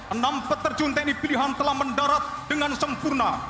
enam peterjun tni pilihan telah mendarat dengan sempurna